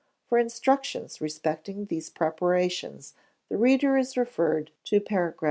For instructions respecting these preparations the reader is referred to _pars.